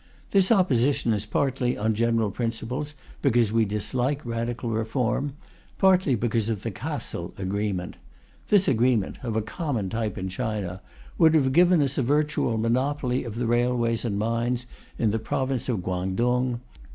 This opposition is partly on general principles, because we dislike radical reform, partly because of the Cassel agreement. This agreement of a common type in China would have given us a virtual monopoly of the railways and mines in the province of Kwangtung.